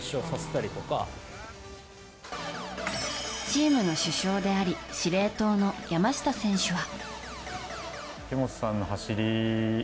チームの主将であり司令塔の山下選手は。